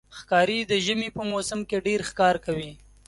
ښکاري د ژمي په موسم کې ډېر ښکار کوي.